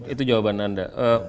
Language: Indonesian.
itu jawaban anda